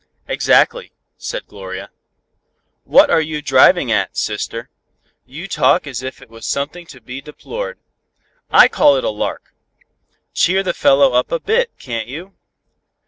"Exactly," said Gloria. "What are you driving at, Sister. You talk as if it was something to be deplored. I call it a lark. Cheer the fellow up a bit, can't you?"